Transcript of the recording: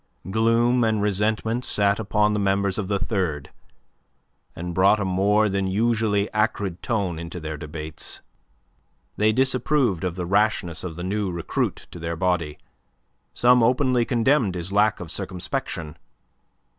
Gloom and resentment sat upon the members of the Third, and brought a more than usually acrid note into their debates. They disapproved of the rashness of the new recruit to their body. Some openly condemned his lack of circumspection.